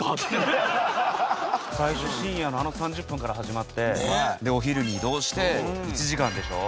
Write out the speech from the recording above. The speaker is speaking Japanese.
最初深夜のあの３０分から始まってでお昼に移動して１時間でしょ？